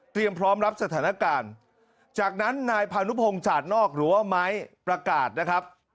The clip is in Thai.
พร้อมรับสถานการณ์จากนั้นนายพานุพงศาสนอกหรือว่าไม้ประกาศนะครับ